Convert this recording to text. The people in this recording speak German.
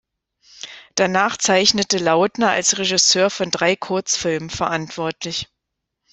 Danach zeichnete Lautner als Regisseur von drei Kurzfilmen verantwortlich.